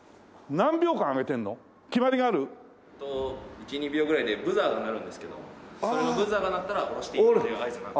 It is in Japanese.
１２秒ぐらいでブザーが鳴るんですけどそれのブザーが鳴ったら下ろしていいっていう合図になる。